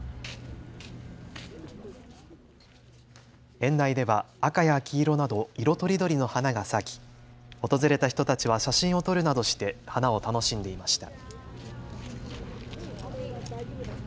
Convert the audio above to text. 園内では赤や黄色など色とりどりの花が咲き訪れた人たちは写真を撮るなどして花を楽しんでいました。